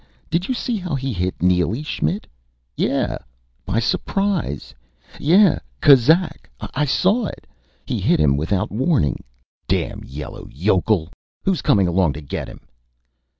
Did you see how he hit Neely, Schmidt? Yeah by surprise.... Yeah Kuzak. I saw. He hit without warning.... Damn yella yokel.... Who's comin' along to get him?..."